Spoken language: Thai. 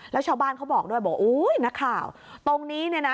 แล้วชาวบ้านเขาบอกด้วยบอกอุ้ยนักข่าวตรงนี้เนี่ยนะ